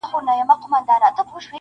ته هم چایې په توده غېږ کي نیولی؟-!